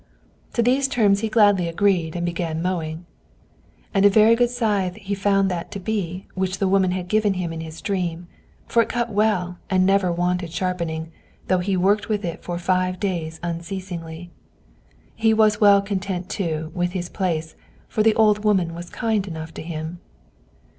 To these terms he gladly agreed, and began mowing. And a very good scythe he found that to be which the woman had given him in his dream; for it cut well, and never wanted sharpening, though he worked with it for five days unceasingly. He was well content, too, with his place, for the old woman was kind enough to him.